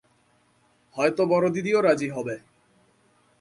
হয়তো বড়দিদিও রাজি হবে।